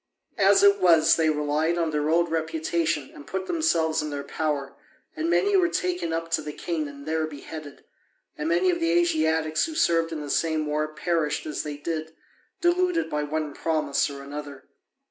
As it was, they relied on their old reputation and put themselves in their power, and many were taken up to the king and there beheaded. And many of the Asiatics who served in the same war perished as they did, deluded by one promise or another.